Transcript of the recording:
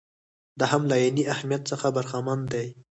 دا هم له عیني اهمیت څخه برخمن دي.